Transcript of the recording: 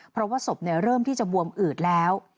เพราะว่าศพเริ่มที่จะบวมอืดแล้ว